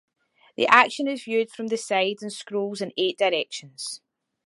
The action is viewed from the side and scrolls in eight directions.